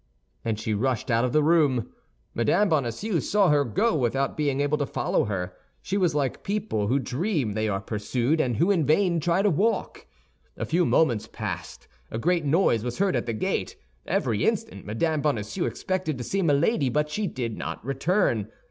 And she rushed out of the room. Mme. Bonacieux saw her go without being able to follow her; she was like people who dream they are pursued, and who in vain try to walk. A few moments passed; a great noise was heard at the gate. Every instant Mme. Bonacieux expected to see Milady, but she did not return.